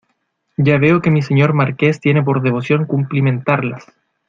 ya veo que mi Señor Marqués tiene por devoción cumplimentarlas.